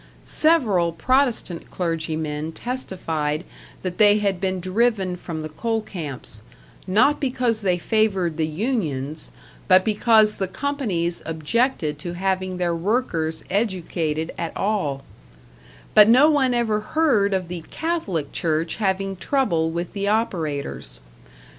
Several Protestant clergymen testified that they had been driven from the coal camps not because they favored the unions, but because the companies objected to having their workers educated at all; but no one ever heard of the Catholic Church having trouble with the operators.